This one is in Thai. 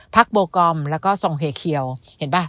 พลักโบกอมแล้วกก้าทรงไหเคียวเห็นบ้าง